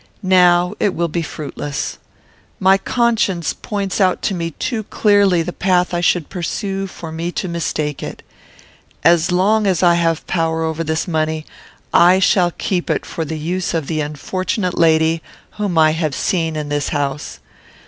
Now it will be fruitless. My conscience points out to me too clearly the path I should pursue for me to mistake it. As long as I have power over this money, I shall keep it for the use of the unfortunate lady whom I have seen in this house.